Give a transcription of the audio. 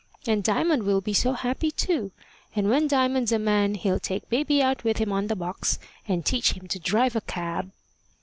And Diamond will be so happy too! And when Diamond's a man, he'll take baby out with him on the box, and teach him to drive a cab."